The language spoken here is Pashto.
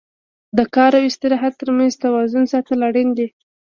د کار او استراحت تر منځ توازن ساتل اړین دي.